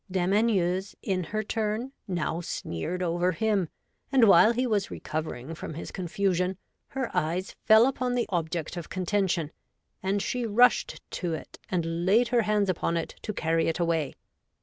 Dame Anieuse, in her turn, now sneered over him, and while he was recovering from his confusion, her eyes fell upon the object of contention, and she rushed to it, and laid her hands upon it to carry it away.